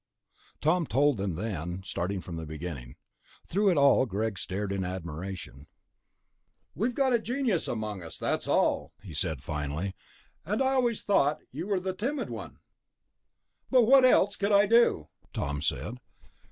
Tom told them, then, starting from the beginning. Through it all Greg stared in admiration. "We've got a genius among us, that's all," he said finally. "And I always thought you were the timid one...." "But what else could I do?" Tom said.